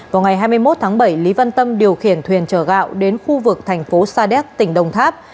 vào ngày hai mươi một tháng bảy lý văn tâm điều khiển thuyền chở gạo đến khu vực thành phố sa đéc tỉnh đồng tháp